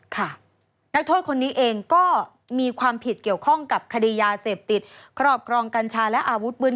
นักโทษคนนี้เองก็มีความผิดเกี่ยวข้องกับคดียาเสพติดครอบครองกัญชาและอาวุธปืน